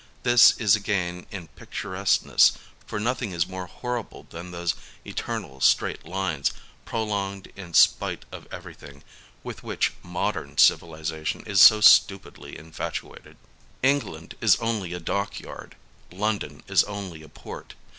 This is a gain in picturesque ness, for nothing is more horrible than those eternal straight lines prolonged in spite of everything, with which modem civilization is so stupidly infatuated. England is only a dock yard : London is only a port.